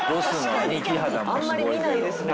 あんまり見ないですね